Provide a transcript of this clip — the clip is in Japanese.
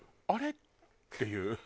あれ？っていう。